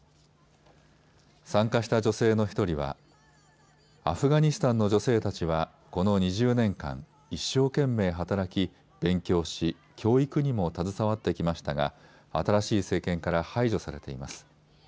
参加した女性の１人はアフガニスタンの女性たちはこの２０年間、一生懸命働き勉強し教育にも携わってきましたが、新しい政権から排除されています。